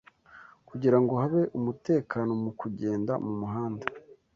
Kugira ngo habe umutekano mu kugenda mu muhanda